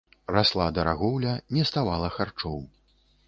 Расла дарагоўля, не ставала харчоў.